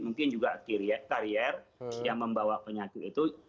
mungkin juga karier yang membawa penyakit itu